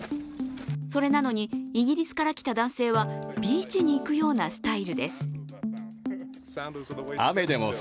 それなのにイギリスから来た男性はビーチに行くようなスタイルです。